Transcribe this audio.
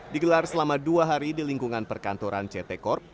digelar selama dua hari di lingkungan perkantoran ct corp